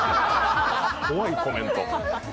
怖いコメント。